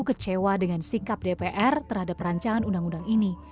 kecewa dengan sikap dpr terhadap rancangan undang undang ini